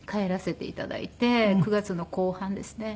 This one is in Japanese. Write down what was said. ９月の後半ですね。